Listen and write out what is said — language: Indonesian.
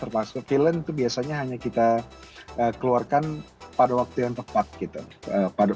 termasuk film itu biasanya hanya kita keluarkan pada waktu yang tepat gitu